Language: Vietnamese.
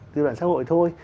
từ đoạn xã hội thôi